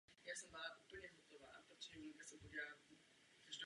Evropská zemědělská politika musí poskytovat environmentální služby.